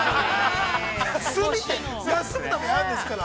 休みって休むためにあるんですから。